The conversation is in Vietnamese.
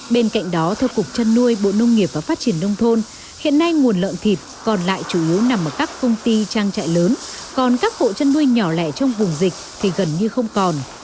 bên cạnh đó theo cục trân nuôi bộ nông nghiệp và phát triển nông thôn hiện nay nguồn lợn thịt còn lại chủ yếu nằm ở các công ty trang trại lớn còn các hộ chăn nuôi nhỏ lẻ trong vùng dịch thì gần như không còn